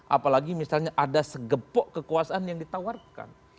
apalagi misalnya ada segepok kekuasaan yang ditawarkan